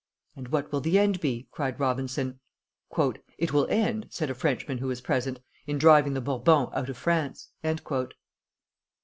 "And what will the end be?" cried Robinson. "It will end," said a Frenchman who was present, "in driving the Bourbons out of France!"